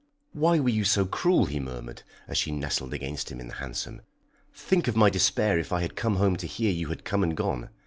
"Why were you so cruel?" he murmured, as she nestled against him in the hansom. "Think of my despair if I had come home to hear you had come and gone.